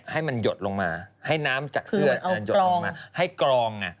ให้มันหยดลงมาให้น้ำจากเสื้อหยดลงมาให้กรอง